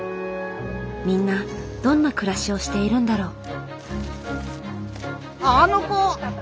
みんなどんな暮らしをしているんだろう？